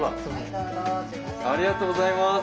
ありがとうございます。